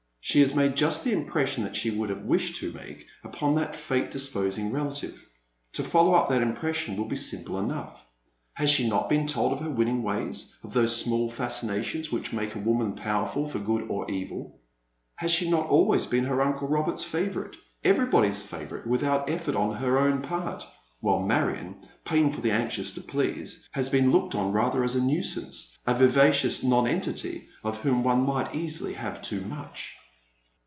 She has made just the impression that she would have wished to make upon that fate disposing relative. To follow up that impression will be simple enough. Has she not been told of her winning ways, of those small fascinations which make a woman powerful for good or evil ? Has she not been always her uncle Robert's favourite, everybody's favourite, without effort on her own part ? while Marion, painfully anxious to please, has been looked on rather as a nuisance, a vivacious nonentity of whom one might easily have too much.